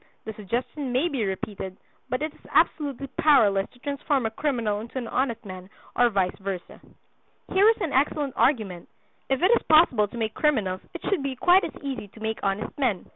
The suggestion may be repeated; but it is absolutely powerless to transform a criminal into an honest man, or vice versa." Here is an excellent argument. If it is possible to make criminals it should be quite as easy to make honest men.